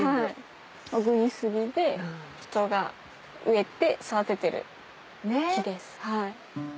小国杉で人が植えて育ててる木です。